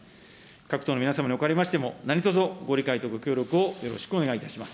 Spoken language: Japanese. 各党の皆様におかれましても、なにとぞご理解とご協力をよろしくお願いいたします。